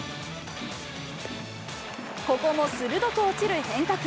ここも鋭く落ちる変化球。